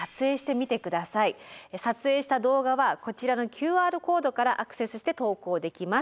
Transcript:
撮影した動画はこちらのＱＲコードからアクセスして投稿できます。